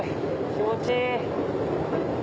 気持ちいい。